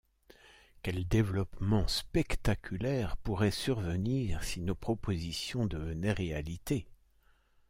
Quel développement spectaculaire pourrait survenir si nos propositions devenaient réalité ?